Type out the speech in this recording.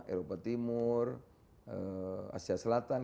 eropa timur asia selatan